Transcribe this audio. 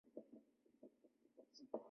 这次地震也称为奥尻岛地震。